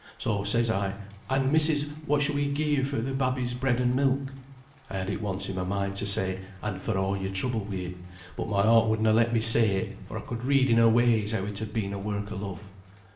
So says I, 'And, missis, what should we gie you for the babby's bread and milk?' (I had it once in my mind to say 'and for a' your trouble with it,' but my heart would na let me say it, for I could read in her ways how it had been a work o' love.)